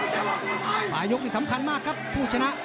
กลายยุคก็สำคัญมากครับผู้ชนะ